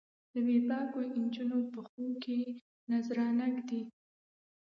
د بې باکو نجونو پښو کې نذرانه ږدي